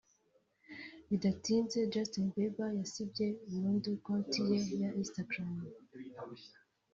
Bidatinze Justin Bieber yasibye burundu konti ye ya Instagram